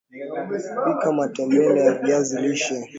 Pika matembele ya viazi lishe